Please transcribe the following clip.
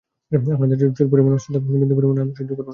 আপনাদের চুল পরিমাণ অশ্রদ্ধা, বিন্দু পরিমাণ অপমান আমি সহ্য করব না।